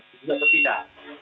sudah atau tidak